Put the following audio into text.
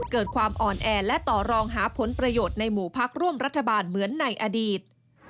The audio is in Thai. เกิดความอ่อนแอและต่อรองหาผลประโยชน์ในหมู่พักร่วมรัฐบาลเหมือนในอดีต